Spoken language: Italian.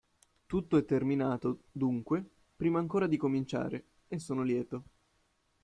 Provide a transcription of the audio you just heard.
Tutto è terminato, dunque, prima ancora di cominciare e sono lieto.